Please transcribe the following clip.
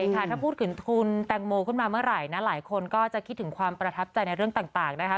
ถ้าพูดถึงทุนแตงโมขึ้นมาเมื่อไหร่นะหลายคนก็จะคิดถึงความประทับใจในเรื่องต่างนะคะ